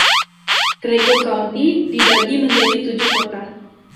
Trego County dibagi menjadi tujuh kota.